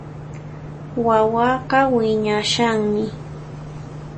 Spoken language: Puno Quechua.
Wawaqa wiñashanmi